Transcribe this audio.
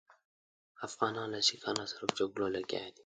افغانان له سیکهانو سره په جګړو لګیا دي.